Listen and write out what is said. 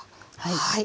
はい。